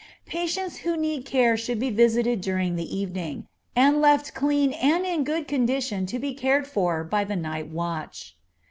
Patients who need care should be visited during the evening, and left clean and in good condition to be cared for by the night watch.